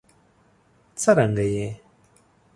څرنګه یې؟